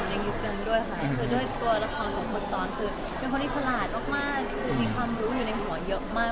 ยุคนั้นด้วยค่ะคือด้วยตัวละครของคนซ้อนคือเป็นคนที่ฉลาดมากคือมีความรู้อยู่ในหัวเยอะมาก